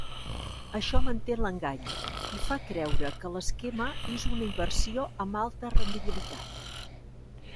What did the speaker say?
Això manté l'engany i fa creure que l'esquema és una inversió amb alta rendibilitat.